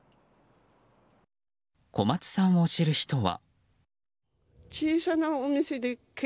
小松さんを知る人は。